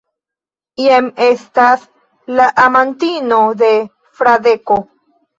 Jen estas la amantino de Fradeko.